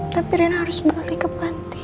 tapi rena harus balik ke pantai